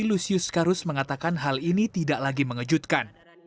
lusius karus mengatakan hal ini tidak lagi mengejutkan